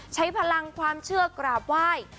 ใช้พลังความเชื่อกราบไหว้